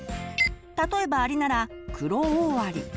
例えばアリならクロオオアリ。